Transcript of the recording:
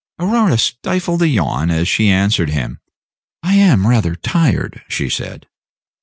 Aurora stifled a yawn as she answered him. "I am rather tired," she said.